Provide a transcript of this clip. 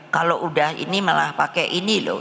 kalau udah ini malah pakai ini loh